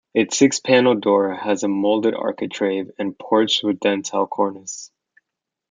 Its six panel door has a moulded architrave and porch with dentil cornice.